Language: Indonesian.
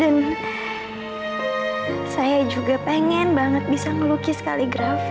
dan saya juga pengen banget bisa melukis kaligrafi